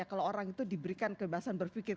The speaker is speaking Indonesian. kalau orang itu diberikan kebebasan berpikir